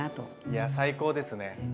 いや最高ですね！